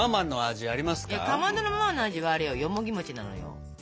かまどのママの味はよもぎ餅なのよ。